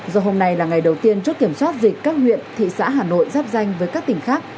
do hôm nay là ngày đầu tiên chốt kiểm soát dịch các huyện thị xã hà nội giáp danh với các tỉnh khác